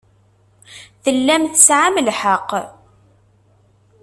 Tellam tesɛam lḥeqq.